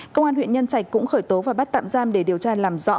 công an huyện nhân trạch cũng khởi tố và bắt tạm giam để điều tra làm rõ